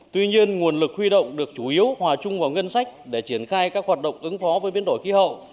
tuy nhiên nguồn lực huy động được chủ yếu hòa chung vào ngân sách để triển khai các hoạt động ứng phó với biến đổi khí hậu